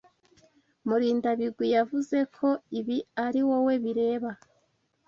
Murindabigwi yavuze ko ibi ari wowe bireba.